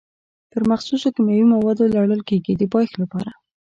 پر مخصوصو کیمیاوي موادو لړل کېږي د پایښت لپاره.